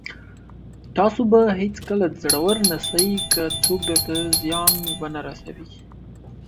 تاسو به هېڅکله زړور نسٸ، که څوک درته زيان ونه رسوي.